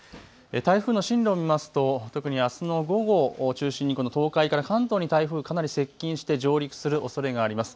台風の進路を見ますと特にあすの午後を中心にこの東海から関東に台風かなり接近して上陸するおそれがあります。